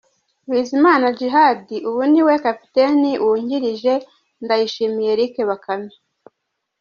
Bizimana Djihad ubu ni we kapiteni wungrije Ndayishimiye Eric Bakame.